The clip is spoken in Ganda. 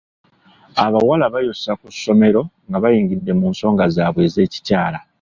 Abawala bayosa ku ssomero nga bayingidde mu nsonga zaabwe ez'ekikyala.